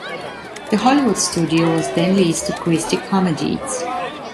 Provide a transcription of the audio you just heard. The Hollywood studio was then leased to Christie Comedies.